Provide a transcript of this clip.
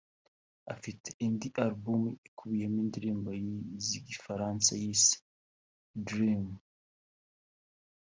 Afite indi album ikubiyeho indirimbo z’Igifaransa yise ‘Drame’